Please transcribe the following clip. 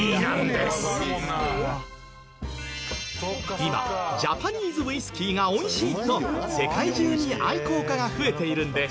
今ジャパニーズ・ウイスキーが美味しいと世界中に愛好家が増えているんです。